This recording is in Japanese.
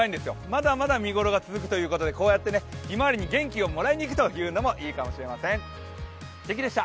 まだまだ見頃が続くということで、ひまわりに元気にもらいをいくというのもいいかもしれません。